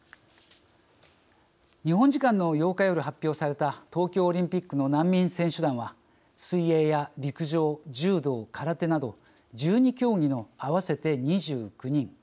日本時間の８日夜、発表された東京オリンピックの難民選手団は水泳や陸上、柔道、空手など１２競技の合わせて２９人。